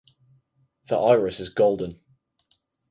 The iris is golden.